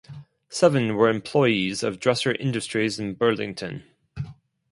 Seven were employees of Dresser Industries in Burlington.